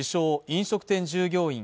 飲食店従業員